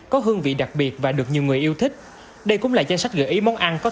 có hương vị đặc biệt và được nhiều người yêu thích đây cũng là danh sách gợi ý món ăn có